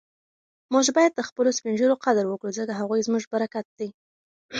موږ باید د خپلو سپین ږیرو قدر وکړو ځکه هغوی زموږ برکت دی.